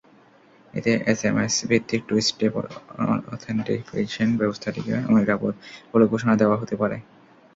এতে এসএমএস-ভিত্তিক two-step authentication ব্যবস্থাটিকে অনিরাপদ বলে ঘোষণা দেওয়া হতে পারে।